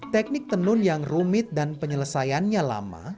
teknik tenun yang rumit dan penyelesaiannya lama